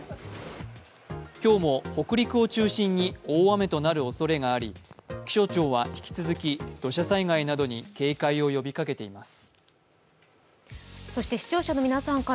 今日も北陸を中心に大雨となるおそれがあり気象庁は引き続き土砂災害などに警戒を呼びかけています。